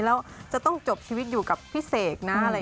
แล้วจะต้องจบชีวิตอยู่กับพี่เสกนะอะไร